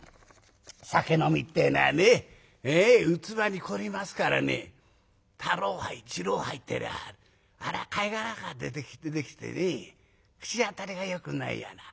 酒飲みってえのはね器に凝りますからね太郎杯二郎杯ってえのはあら貝殻から出来ててね口当たりがよくないやな。